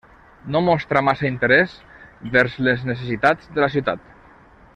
No mostra massa interès vers les necessitats de la ciutat.